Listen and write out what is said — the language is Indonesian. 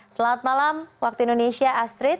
selamat malam waktu indonesia astrid